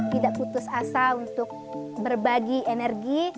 tidak putus asa untuk berbagi energi